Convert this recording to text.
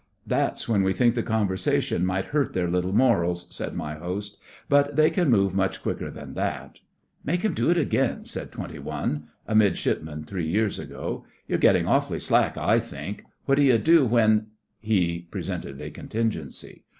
'That's when we think the conversation might hurt their little morals,' said my host. 'But they can move much quicker than that.' 'Make 'em do it again,' said Twenty One—a Midshipman three years ago. 'You're getting awfully slack, I think. What do you do when——?' he presented a contingency.